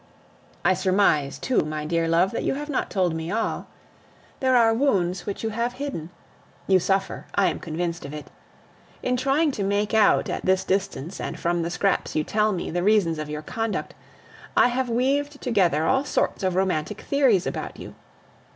I surmise, too, my dear love, that you have not told me all. There are wounds which you have hidden. You suffer; I am convinced of it. In trying to make out at this distance and from the scraps you tell me the reasons of your conduct, I have weaved together all sorts of romantic theories about you.